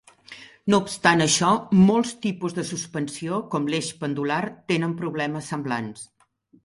No obstant això, molts tipus de suspensió, com l'eix pendular, tenen problemes semblants.